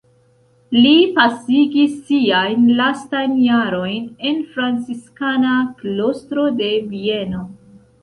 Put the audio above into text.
Li pasigis siajn lastajn jarojn en franciskana klostro de Vieno.